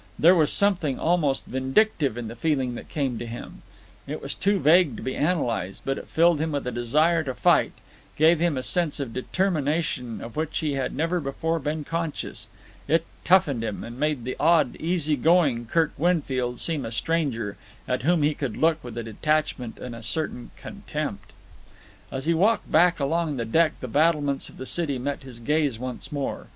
There was something almost vindictive in the feeling that came to him. It was too vague to be analysed, but it filled him with a desire to fight, gave him a sense of determination of which he had never before been conscious. It toughened him, and made the old, easy going Kirk Winfield seem a stranger at whom he could look with detachment and a certain contempt. As he walked back along the deck the battlements of the city met his gaze once more.